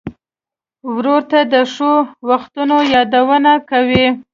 ورور ته د ښو وختونو یادونه کوې.